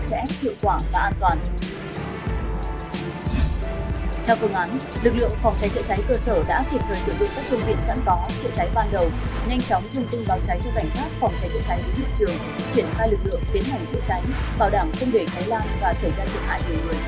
chữa cháy bảo đảm không để cháy lai và xảy ra thiện hại người người